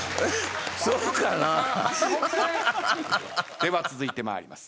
では続いて参ります。